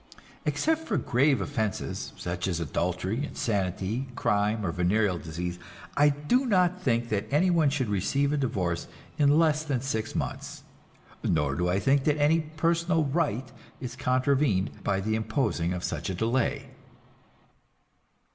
Except for grave offenses, such as adultery, insanity, crime or venereal disease, I do not think that anyone should receive a divorce in less than six months, nor do I think that any personal right is contravened by the imposing of such a delay.